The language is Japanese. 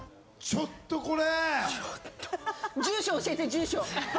ちょっとこれ。